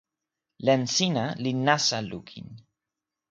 len sina li nasa lukin.